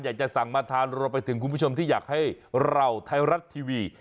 อยากจะสั่งมาทานรวมไปถึงคุณผู้ชมที่อยากให้เราไทยรัฐทีวี